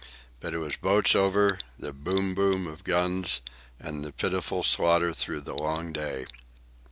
But it was "Boats over!" the boom boom of guns, and the pitiful slaughter through the long day.